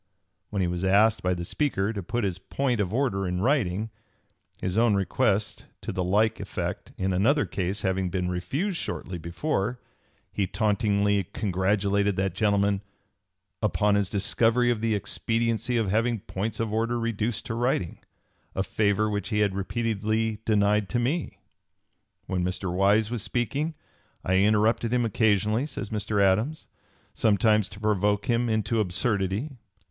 When he was asked by the Speaker to put his point of order in writing, his own request to the like effect in another case having been refused shortly before, he tauntingly congratulated that gentleman "upon his discovery of the expediency of having points of order reduced to writing a favor which he had repeatedly denied to me." When Mr. Wise was speaking, "I interrupted him occasionally," says Mr. Adams, "sometimes to (p. 286) provoke him into absurdity."